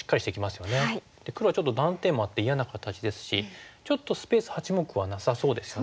黒はちょっと断点もあって嫌な形ですしちょっとスペース八目はなさそうですよね。